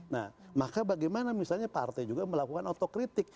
nah maka bagaimana misalnya partai juga melakukan otokritik